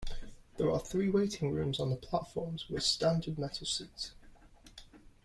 There are three waiting rooms on the platforms with standard metal seats.